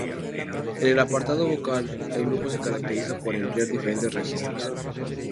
En el apartado vocal el grupo se caracteriza por emplear diferentes registros.